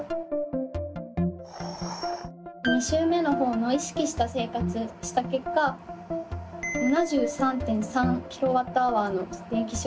２週目の方の意識した生活をした結果７３．３ｋＷｈの電気消費量。